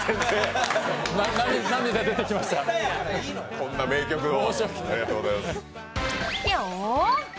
こんな名曲を。